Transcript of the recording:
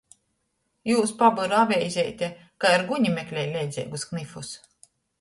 Jūs pabyru aveizeite kai ar guni meklej leidzeigus knifus.